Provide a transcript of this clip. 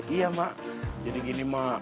iya mak jadi gini mak